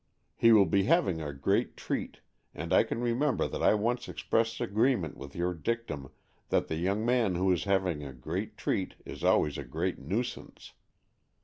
He will be having a great treat, and I can remember that I once expressed agree ment with your dictum, that the young man who is having a great treat is always a great nuisance.